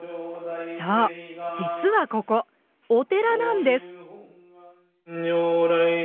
そう実はここお寺なんです！